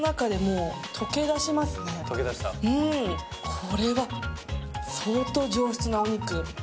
これは相当上質なお肉。